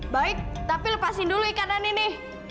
baik tapi lepasin dulu ikanan ini